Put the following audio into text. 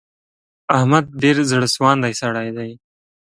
احمد ډېر زړه سواندی سړی دی.